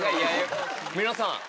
皆さん。